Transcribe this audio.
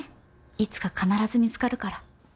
いつか必ず見つかるから。